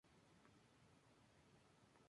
La Lande-d'Airou